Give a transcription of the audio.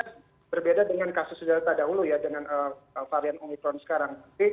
nah memang kasusnya berbeda dengan kasus sudah terdahulu ya dengan varian omicron sekarang